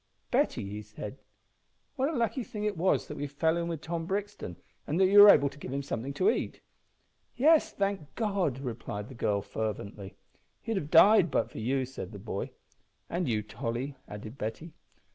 "Betty," said he, "what a lucky thing it was that we fell in wi' Tom Brixton, and that you were able to give him somethin' to eat." "Yes, thank God," replied the girl, fervently. "He'd have died but for you," said the boy. "And you, Tolly," added Betty.